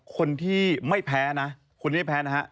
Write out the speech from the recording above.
คนที่ไม่แพ้นะคนที่ไม่แพ้นะฮะ